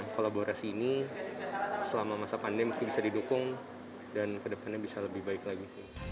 kolaborasi ini selama masa pandemi mungkin bisa didukung dan kedepannya bisa lebih baik lagi